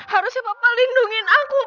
harusnya papa lindungin aku pa